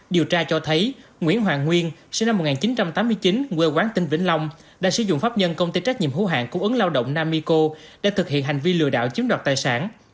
điều tra cho thấy nguyễn hoàng nguyên sinh năm một nghìn chín trăm tám mươi chín quê quán tinh vĩnh long đại sứ dụng pháp nhân công ty trách nhiệm hữu hạn cũng ứng lao động nam mico đã thực hiện hành vi lừa đảo chiếm đoạt tài sản